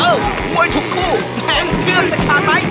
มวยทุกคู่แขนเชือกจะขาดไหม